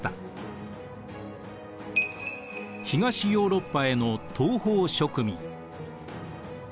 東ヨーロッパへの東方植民。